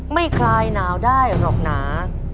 คลายหนาวได้หรอกหนา